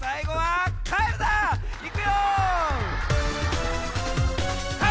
はい！